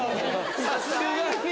さすがに。